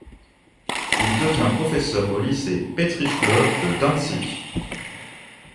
Il devient professeur au lycée Petrischule de Dantzig.